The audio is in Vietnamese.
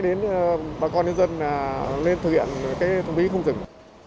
đến bà con nhân dân là lên thực hiện cái thu phí không dừng